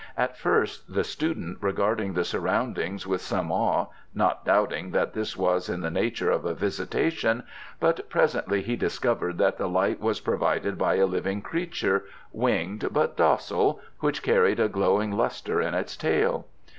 At first the student regarded the surroundings with some awe, not doubting that this was in the nature of a visitation, but presently he discovered that the light was provided by a living creature, winged but docile, which carried a glowing lustre in its tail.